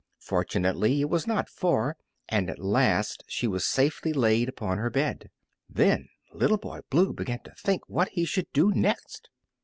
Fortunately, it was not far, and at last she was safely laid upon her bed. Then Little Boy Blue began to think what he should do next.